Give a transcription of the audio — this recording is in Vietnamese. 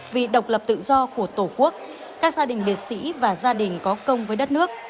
vì độc lập tự do của tổ quốc các gia đình liệt sĩ và gia đình có công với đất nước